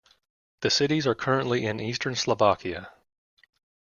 The cities are currently in eastern Slovakia.